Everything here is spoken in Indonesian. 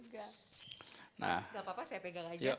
gak apa apa saya pegang aja